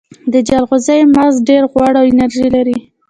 د جلغوزیو مغز ډیر غوړ او انرژي لري.